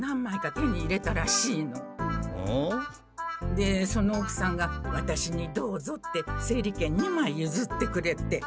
でそのおくさんがワタシに「どうぞ」って整理券２まいゆずってくれて。